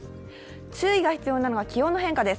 注意が必要なのが気温の変化です。